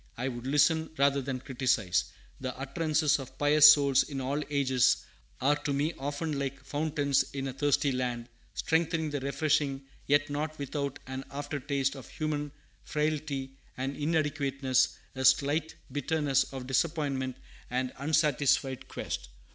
I would listen, rather than criticise. The utterances of pious souls, in all ages, are to me often like fountains in a thirsty land, strengthening and refreshing, yet not without an after taste of human frailty and inadequateness, a slight bitterness of disappointment and unsatisfied quest.